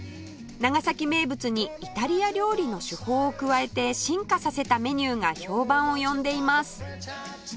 長崎名物にイタリア料理の手法を加えて進化させたメニューが評判を呼んでいます